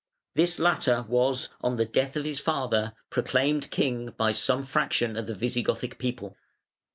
This latter was, on the death of his father, proclaimed king by some fraction of the Visigothic people.